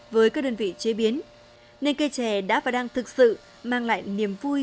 với các đơn vị chế biến nên cây chè đã và đang thực sự mang lại niềm vui